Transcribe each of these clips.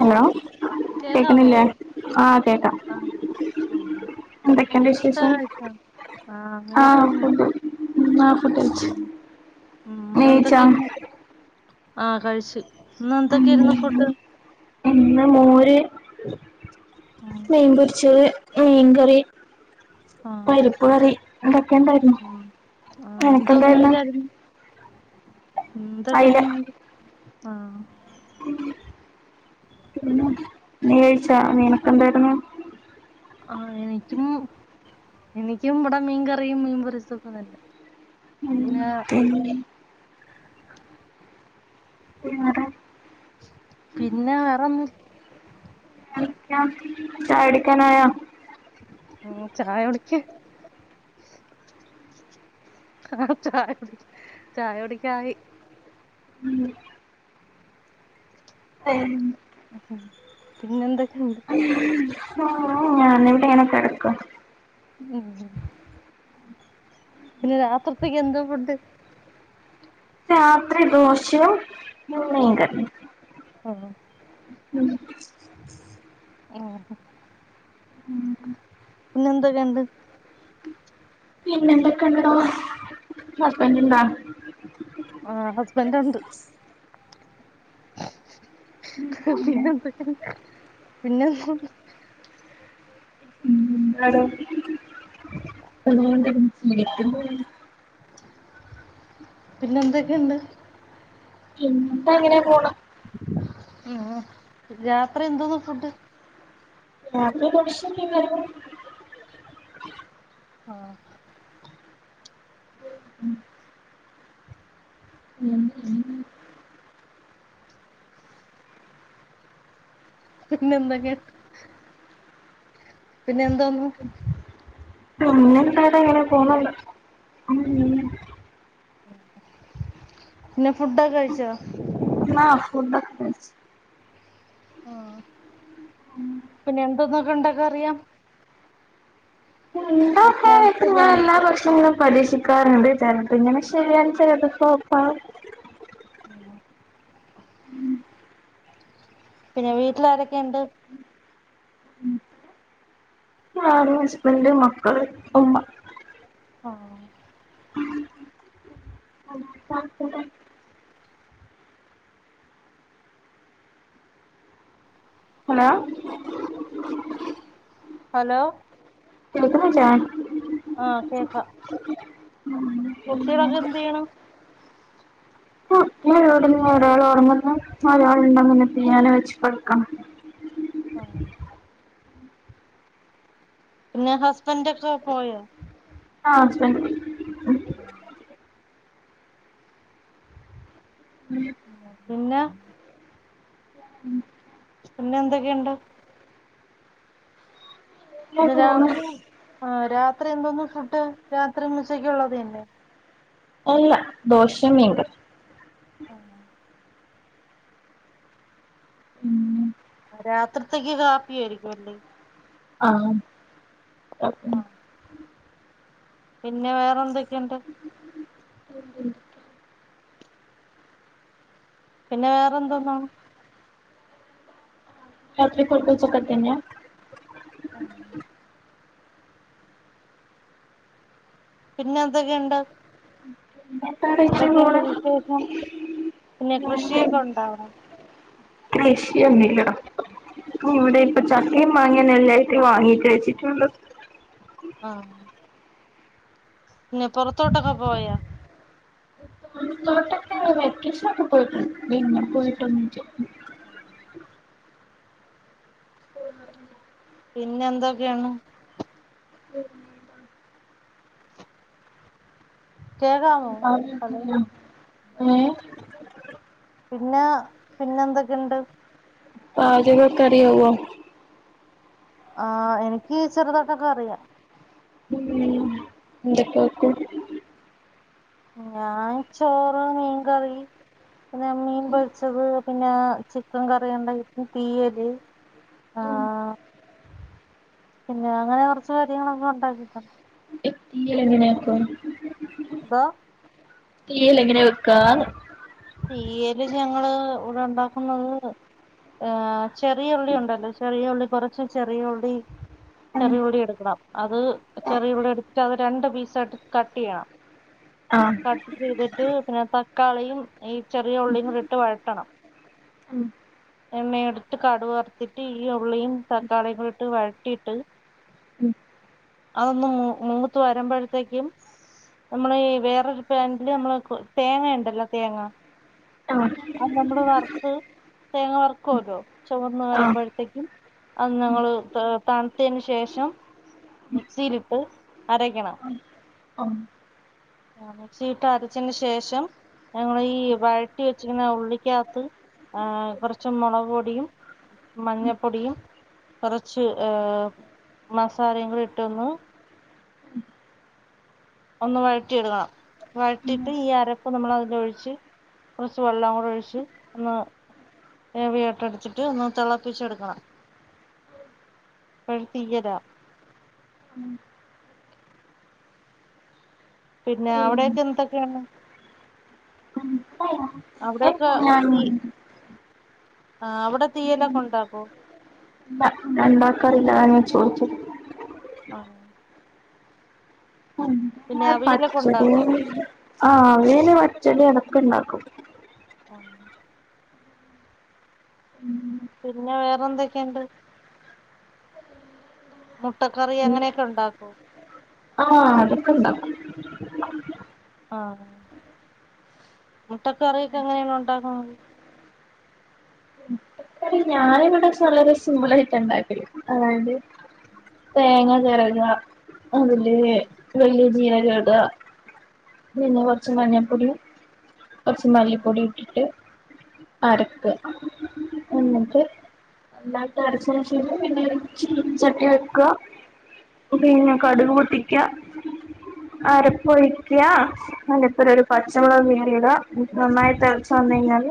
Hello കേക്കാമോ കേക്കുന്നില്ലേ ആ കേക്കാം ആ ആ എന്തൊക്കെയുണ്ട് ഫുഡ് വിശേഷം കഴിച്ച ആ അങ്ങനെയാ പോവുന്നു ഉം ആ ഫുഡ് കഴിച്ചു ഉം നീ കഴിച്ചോ ന്ന്ന്തൊക്കെര്ന്നു ആ കഴിച്ച് ന്ന് എൻതൊക്കായിരുന്നു ഫുഡ് ഇന്ന് മോര്, ഉം മീൻപൊരിച്ചത്, മീൻകറി ആ പരിപ്പ് കറി, ഇതൊക്കെണ്ടാരുന്നു ഉം ആ അനക്ക് എന്തോന്ന് എന്താരുന്നു മെയിലായിരുന്നു എന്തൊക്കെ അയില മീൻണ്ട് ആ പിന്നെ നീ കഴിച്ചാ നിനക്ക് എന്തായിരുന്നു ആ എനിറ്റും എനിക്കും വട മീൻകറിയും മീൻ പൊരീച്ചതുംക്കെ തന്നെ ഉം പിന്നെ പിന്നെ വേറെ പിന്ന വേറൊന്നു [unintelligible] ചായുടിക്കാനായൊ ഉം ചായുടിക്ക ആ ചായുടി ചായുടിക്കായി ഉം തെൻ ഉം പിന്നെ എന്തെക്കെ ഉണ്ട് ആഹ് ഞാനി ഇവിടേണ് കെടക്ക ഇജ് പിന്ന രാത്രിത്തെക്കെന്ത ഫുഡ്ഡ് രാത്രി ദോഷ്യും, മീൻ കറിയും ആഹ് ഉം ഉം ഹ് ഉം ഉ പിന്നെന്തൊക്കെ ഇണ്ട് പിന്നെന്തൊക്ക ഇണ്ടടോ ഹസ്ബന്റ്ണ്ടൊ ആഹ് ഹസ്ബൻ്റ്ണ്ട്. പിന്നെ എന്തൊക്കേണ് പിന്നെന്ത [unintelligible] പിന്നെ എന്തൊക്കെ ഇണ്ട് പിന്നന്ത അങ്ങനെ പോണു ഉം രാത്രി എന്തോന്ന ഫുഡ്ഡ് രാത്രി [unintelligible] ഷും [unintelligible] ആഹ് ഉം ഉം ഉം പിന്നെ എന്തൊക്കെ പിന്നെ എന്തോന്ന് പിന്നെന്താടാ ഇങ്ങനെ പോണ് ഉം പിന്നെ ഫുഡ്ഢൊക്ക കഴ്ച്ചൊ ന്നാ ഫുഡ്ഡൊക കഴ്ച് ആഹ് പിന്നെ എന്തോന്നൊക്ക ഇണ്ടാക്ക അറിയാം ഉണ്ടാക്കാൻ സ്നാക്സ് ആയിട്ട് എല്ലാം ഞാൻ ഉണ്ട്. എല്ലാ ഭക്ഷണങ്ങളും പരീക്ഷിക്കാറ്ണ്ട് ചെല്ത് ഇങ്ങനൊ ശരിയാവും ചേലത് ഫ്ലോപ്പ് ആകും ഉം ഉം പിന്നെ വീട്ടിലാ ആരൊക്കെ ഇണ്ട് ഞാനും ഹസ്ബന്റ മക്കള് ഉമ്മ ആഹ് ഹലോ ഹലോ കേക്ക്ന്നില്ലെ ആഹ് കേക്ക എന്ത് ചെയ്യണു ഉം ഉം [unintelligible] ആഹ് പിന്നെ ഹസ്ബൻഡഒക്കെ പോയോ ആഹ് ഹസ്ബൻഡ് പോയി [unintelligible] മ്മ് പിന്ന ഉം പിന്നെ എന്തൊക്കെയുണ്ട് പിന്നെ രാത്രിയും ആ രാത്രി എന്തോന്നും ഫുഡ് രാത്രിഉച്ചക്ക ഉള്ളത് തന്നെ അല്ല ദോശയും മീൻകറിയും [unintelligible] [unintelligible] രാത്രിത്തേക്ക് കാപ്പിയാരിക്കും അല്ലേ ആഹ് ആഹ് പിന്നെ വേറെന്തൊക്കെയുണ്ട് [unintelligible] പിന്നെ വേറെന്തോന്നാണ് രാത്രി [unintelligible] ആഹ് പിന്നെന്തൊക്കെയുണ്ട് [unintelligible] ന്താ [unintelligible] [unintelligible] വിശേഷം പിന്നെ കൃഷിയൊക്കെ ഉണ്ടോ അവിടെ ഒന്നും ഇല്ലെടോ ഇപ്പൊ ഇവിടെ ഇപ്പോ ചക്കേം മാ അങ്ങനെ എല്ലായിട്ടും വാങ്ങിട്ട് വെച്ചിട്ടെള്ളൂ ആഹ് പിന്നെ പുറത്തോട്ടൊക്കെ പോയാ പൊറത്തോട്ടൊക്കെ വെക്കേഷനൊക്കെ പോയിട്ടോണ്ട് പിന്നെ പോയിട്ടൊന്നുല്ല [unintelligible] [inaudible] പിന്നെന്തൊക്കെയാണ് [unintelligible] കേക്കാമോ ഹലോ ഏഹ് പിന്നെ പിന്നെന്തൊക്കെയുണ്ട് പാചകൊക്കെ അറിയാവോ ആഹ് എനിക്ക് ചെറുതൊക്കക്കെ അറിയാം ഉം എന്തൊക്കെവെയ്ക്കും ഞാൻ ചോറ് മീൻകറി പിന്നെ മീൻ പൊരിച്ചത് പിന്നെ ചിക്കൻകറി ഉണ്ടായിക്കും തീയല് പിന്നെ ആഹ് പിന്നെ അങ്ങനെ കൊറച്ച് കാര്യങ്ങളൊക്കെ ഉണ്ടാക്കിയെക്കാണ് ഈ തീയല് എങ്ങനെ വെക്കും ന്തോ തീയലെങ്ങനെ വെക്ക്വാന്ന് തീയല് ഞങ്ങള് ഇവിടെ ഒണ്ടാക്കുന്നത് ആ ചെറിയൊള്ളി ഉണ്ടല്ലോ ചെറിയ ഉള്ളി കൊറച്ച് ചെറിയ ഉള്ളി ചെറിയ ഉള്ളി എടുക്കണം അത് ചെറിയുള്ളി എടുത്ത് അത് രണ്ട് പീസായിട്ട് കട്ട് ചെയ്യണം ആഹ് കട്ട് ചെയ്തിട്ട് പിന്നെ തക്കാളിയും ഈ ചെറിയഉള്ളിയുംകൂടിട്ട് വഴട്ടണം എണ്ണയെടു ട്ട് കടുവറത്തിട്ട് ഈ ഉള്ളിയും തക്കാളിയുംകൂടിട്ട് വഴട്ടിയിട്ട് ഉം അതൊന്ന് മൂ മൂത്തു വരുമ്പോഴത്തേക്കും, നമ്മള് ഈ വേറൊരു പാനില് നമ്മള് തേങ്ങ ഉണ്ടല്ലോ തേങ്ങ ആഹ് നമ്മള് വറുത്ത് തേങ്ങ വർക്കുവല്ലോ ചുവന്ന് ആഹ് വരുമ്പോഴത്തേക്കും, അത് നമ്മൾ തണുത്തതിന് ശേഷം മിക്സിയിലിട്ട് അരയ്ക്കണം. ആഹ് ആഹ് മിക്സീട്ടരച്ചന് ശേഷം ഞങ്ങളീ വഴറ്റി വ ച്ചിരുന്ന ഉള്ളിക്കാത്ത് ആഹ് കൊറച്ച് മൊളക്പൊടിയും, മഞ്ഞപ്പൊടിയും കുറച്ച് ഏഹ് മസാലയും കൂടി ഇട്ടൊന്ന് ഒന്ന് വഴറ്റിയെടുക്കണം വഴറ്റിയിട്ട് ഈ അരപ്പ് നമ്മളതിലൊഴിച്ച് കൊറച്ച് വെള്ളവും കൂടൊഴിച്ച് ഒന്ന് ഏവിയേറ്റർ അടിച്ചിട്ട് ഒന്ന് തിളപ്പിച്ചെടുക്കണം പഴ് തീയര, പിന്നെ അവിടെയൊക്കെ എന്തൊക്കെയാണ്, അവിടെക്ക ഞാൻ തീ ആ അവിടെ തീയലൊക്കെ ണ്ടാക്കോ? ണ്ടാക്കാറില്ല, അതാ ഞാൻ ചോയ്ച്ചെ, ആഹ്, പിന്നെ അവിയലൊക്കെ പച്ചടിയ ഉണ്ടാക്കോ ആഹ് ആവേല് പച്ചടി അതൊക്കെ ണ്ടാക്കും, ആഹ്, പിന്നെ വേറെ എന്തൊക്കെണ്ട്? മുട്ടക്കറി അങ്ങനെയൊക്കെ ണ്ടാക്കൊ? ആഹ്, അതൊക്കെണ്ടാക്കും. ആഹ്, മുട്ട കറിയൊക്കെ എങ്ങനെയാണ് ഉണ്ടാക്ക്ന്നത്? ഞാനിവിടെ വളരെ സിമ്പിളായിട്ട ണ്ടാക്കല് അതായത്, തേങ്ങ ചെരക അതില്, വല്യ ജീരകട പിന്നെ കൊർച്ച് മഞ്ഞപ്പൊടിയും, കൊർച്ച് ആ മല്ലിപ്പൊടി ഇട്ടിട്ട് അരക്ക എന്നിട്ട്, നന്നായിട്ട് അരച്ചതിനേഷം പിന്നെ ചീൻചട്ടി വെക്ക, പിന്നെ കടുക് പൊട്ടിക്ക, അരപ്പൊഴിക്ക, അയ്ന്റെപ്പെരം ഒരു പച്ചമുളക് കീറിട നന്നായി തെൾച് വന്നു കഴിഞ്ഞാല്,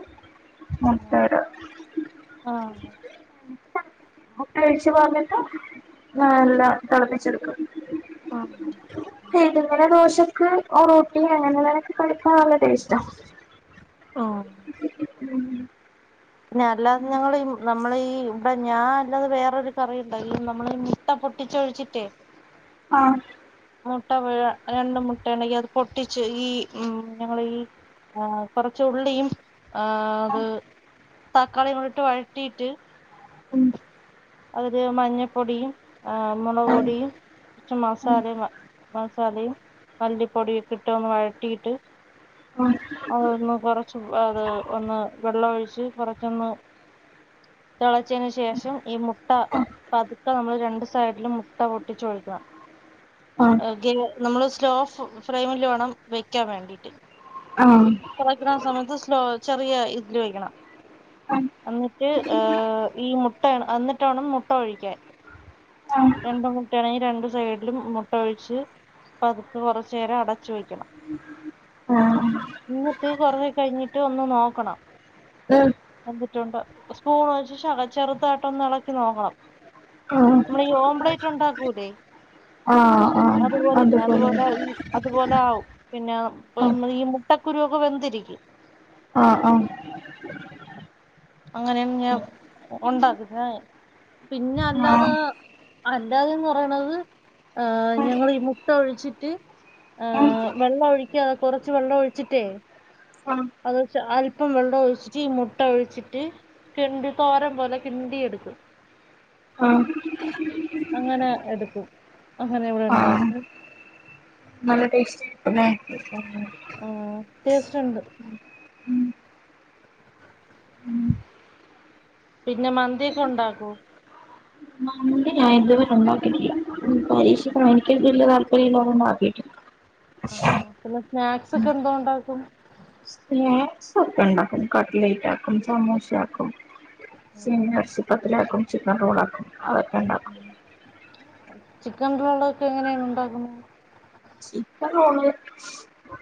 മുട്ടട, ആഹ്. മുട്ട ഒഴിച്ചു പാർന്നിട്ട് നല്ല തിളപ്പിച്ചെടുക്കും. ഇത് വട ദോശക്ക്, ആഹ് ഒറോട്ടി അങ്ങനെള്ളനൊക്ക കഴിക്കാൻ നല്ല ടേസ്റ്റാ. ആഹ്. പിന്നെ അല്ലാതെ ഞങ്ങളി നമ്മളീ ഇവിടെ ഞാൻ അല്ലാതെ വേറൊരു കറിണ്ടാക്കി നമ്മള ട്ട പൊട്ടിച്ചൊഴിച്ചിട്ടേ, ആഹ്, മുട്ടപുഴ രണ്ട് മുട്ട ഉണ്ടെങ്കി അത് പൊട്ടിച്ച് ഈ ഉമ് ഞങ്ങള് ഈ ആഹ് കൊറച്ച് ഉള്ളിയും ആഹ് അത് തക്കാളിയും ഇട്ട് വഴട്ടിയിട്ട്, ഉം അതില് മഞ്ഞപ്പൊടിയും, ആഹ് ആഹ് മുളക്പൊടിയും കുച്ച് മസാലയും മസാലയും, മല്ലിപ്പൊടിയൊക്കെ ഇട്ടൊന്ന് വഴറ്റിയിട്ട്, ആഹ് അതൊന്ന് കൊറച്ച് അത് ഒന്ന് വെള്ളം ഒഴിച്ച് കൊറച്ചൊന്ന്, തിളച്ചെന് ശേഷം ഈ മു മുട്ട പതുക്കെ നമ്മള് രണ്ട് സൈഡിലും മുട്ട പൊട്ടിച്ചൊഴിക്കണം. ആഹ് ക്കെ നമ്മള് സ്ലോ ഫ്ലെയിമിൽ വേണം വെക്കാൻ വേണ്ടീട്ട്, ആഹ്. വയ്ക്കണ സമയത്ത് സ്ലോ ചെറിയ ഇതില് വയ്ക്കണം ആഹ് എന്നിട്ട് ഏർ ഈ മുട്ട എന്നിട്ടോണം മുട്ട ഒഴിക്കൻ ആഹ് രണ്ട മുട്ടയാണെങ്കി രണ്ടു സൈഡിലും മുട്ട ഒഴിച്ച് പതുക്കെ കൊറച്ചു നേരം അടച്ചു വെക്കണം ആഹ് ഇങ്ങിട്ട് കുറവേ കഴിഞ്ഞിട്ട് ഒന്ന് നോക്കണം ഉം വെന്തിട്ടുണ്ട് സ്പൂൺ വെച്ച് ചെറുതായിട്ടൊന്നള ക്ക് നോക്കണം ആഹ് നമ്മള് ഈ ഓംബ്ലേറ്റ് ഉണ്ടാക്കൂല്ലേ ആഹ് ആഹ് അതുപോലെന്നെ അതുപോലെ ഈ അത് ഇത്പോലെ ആവും. ആഹ് പിന്നെ ഈ മുട്ടക്കുരു ഒക്കെ വെന്തിരിക്കും. ആഹ് ആഹ് അങ്ങനെയാണ് ഞാൻ ഉണ്ടാക്കുന്നേ പിന്നെ അല്ലാതെ ആഹ് അല്ലാതെന്ന് പറയണത് ഏഹ് ഞങ്ങളീ മുട്ട ഒഴിച്ചിട്ട് ആഹ് ഏഹ് വെള്ളം ഒഴിക്കാതെ കൊറച്ച് വെള്ളം ഒഴിച്ചിട്ടേ ആഹ് അത് ച് അല്പം വെള്ളം ഒഴിച്ചിട്ട് ഈ മുട്ട ഒഴിച്ചി ട്ട് കിണ്ടി തോരം പോലെ കിണ്ടിയെടുക്കും ആഹ് അങ്ങനെ എടുക്കും. അങ്ങനെ ഇവിടെ ആഹ് ഉണ്ടായിരുന്നു. നല്ല ടേസ്റ്റ് ആയിരിക്കുംല്ലേ ആഹ് ടേസ്റ്റ് ഉണ്ട്. പിന്നെ മന്തിയൊക്കെ ഉണ്ടാക്കോ? മന് ഞാൻ ഇതുവരെ ഉണ്ടാക്കീട്ടില്ല. ഉം പരീക്ഷിക്കണം. എനിക്ക് വല്യ താല്പര്യം ഇല്ലാത്തോണ്ട് ആക്കിയിട്ടില്ല. ആഹ്. പിന്നെ സ്നാക്സ് ഒക്കെ എന്തോ ഉണ്ടാക്കും? സ്നാക്ക്സ് ഒക്കെ ഉണ്ടാക്കും. കട്ട്ലേറ്റ് ആക്കും സമോസയാക്കും. ആ സീനി എർച്ചി പത്തിരി ആക്കും ചിക്കൻ റോൾ ആക്കും അതൊക്കെ ഉണ്ടാ ഉം. ചിക്കൻ റോളൊക്കെ എങ്ങനെയാണ് ഉണ്ടാക്കുന്നേ? ചിക്കൻ റോള്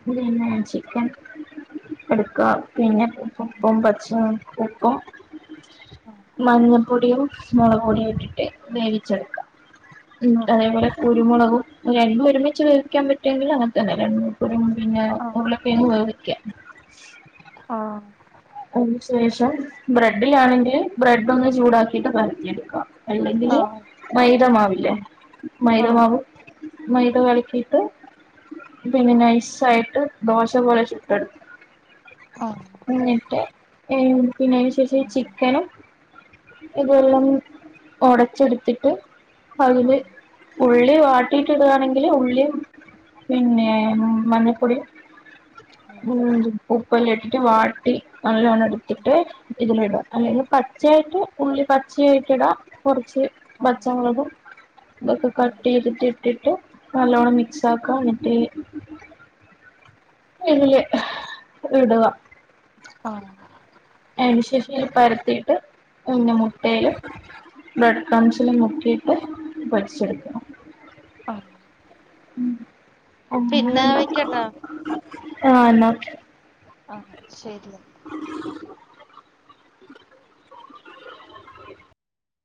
പിന്നെ ചിക്കൻ എടുക്കാ പിന്നെ ഉപ്പും പച്ച ഉപ്പും മഞ്ഞപ്പൊടിയും മുളക് പൊടിയും ഇട്ടിട്ട് വേവിച്ചെടുക്കാ. ഉം ആഹ് അതേപോലെ കുരുമുളകും രണ്ടും ഒരുമിച്ച് വേവിക്കാൻ പറ്റുമെങ്കിൽ അങ്ങൻതന്നെ. രണ്ട് കുരുമുള പിന്നെ ആഹ് ഉരുളക്കിഴങ്ങ് വേവിക്കാ. ആഹ് അതിന് ശേഷം ബ്രെഡിലാണെങ്കില് ബ്രെഡ് ഒന്ന് ചൂടാക്കിട്ട് പരത്തിയെടുക്കാ. അല്ലെങ്കില് ആഹ് മൈദ മാവില്ലേ. മൈദ ആഹ് മാവും മൈദ കലക്കിയിട്ട് പിന്നെ നൈസായിട്ട് ദോശ പോലെ ചുട്ടെടുക്കാ ആഹ് എന്നിട്ട് പിന്നെ അയ്ന്ശേഷ ഈ ചിക്കനും ഇതെല്ലാം ഒടച്ചെടുത്തിട്ട് അയ്ല് ആഹ് ഉള്ളി വാട്ടിട്ട് ഇടാണെങ്കില് ഉള്ളിം പിന്നേ മഞ്ഞപ്പൊടിം [unintelligible] ഉപ്പെല്ലാം ഇട്ടിട്ട് വാട്ടി നല്ലോണം എടുത്തിട്ട് ഇതില് ഇടാ. അല്ലെങ്കി പച്ചയായിട്ട് ഉള്ളി പച്ചയായിട്ടിടാ. കുറച്ച് ആഹ് പച്ചമുളകും ഇതൊക്കെ കട്ട് ചെയ്തിട്ട് ഇട്ടിട്ട് നല്ലോണ്ണം മിക്സ് ആക്കാ. എന്നിട്ട് [unintelligible] ഇടുവാ ആഹ് അയിനുശേഷം ഈ പരത്തിയിട്ട് പിന്നെ മുട്ടേല് ബ്രഡ് ക്രംസിൽ മുക്കിയിട്ട് പൊരിച്ചെടുക്കണം. ആ ഉം. അങ്ങനേണ് ഇണ്ടാക്കാ. വെക്കട്ടാ ആഹ് ന്നാ ഓ ആഹ് ശരിയെന്നാ